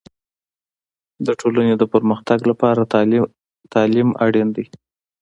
د ټولنې د پرمختګ لپاره تعلیم اړین دی.